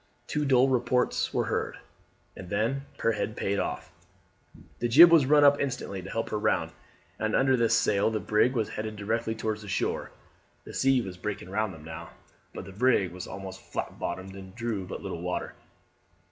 Two dull reports were heard, and then her head payed off. The jib was run up instantly to help her round, and under this sail the brig was headed directly towards the shore. The sea was breaking round them now; but the brig was almost flat bottomed and drew but little water.